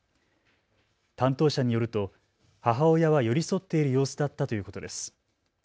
担当者によると母親は寄り添っている様子だったということです。